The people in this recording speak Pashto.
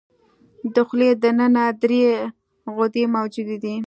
د خولې د ننه درې غدې موجودې دي.